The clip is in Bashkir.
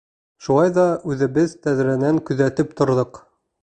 Шулай ҙа үҙебеҙ тәҙрәнән күҙәтеп торҙоҡ.